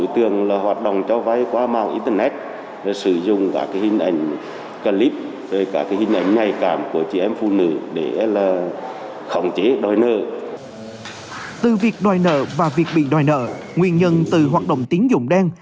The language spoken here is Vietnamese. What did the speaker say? từ việc đòi nợ và việc bị đòi nợ nguyên nhân từ hoạt động tiến dụng đen